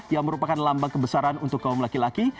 yang merupakan lambang kebesaran untuk kaum laki laki